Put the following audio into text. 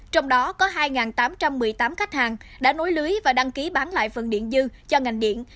trong đó có hai tám trăm một mươi tám khách hàng đã nối lưới và đăng ký bán lại phần điện dư cho ngành điện